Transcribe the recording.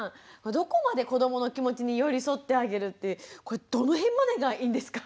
どこまで子どもの気持ちに寄り添ってあげるってこれどの辺までがいいんですか？